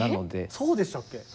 そうでしたっけ？